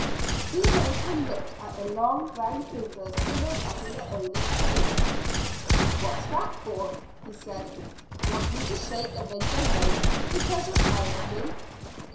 The American looked at the long brown fingers and then up in their owner's face. "What's that for?" he said. "Want me to shake, and then go home, because you're tired of me?"